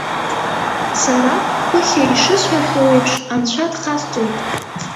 Сара, ԥыхьа ишысҳәахьоу еиԥш, анцәа дхасҵоит.